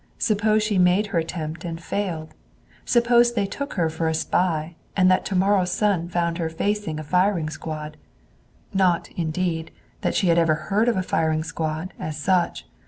Suppose she made her attempt and failed? Suppose they took her for a spy, and that tomorrow's sun found her facing a firing squad? Not, indeed, that she had ever heard of a firing squad, as such.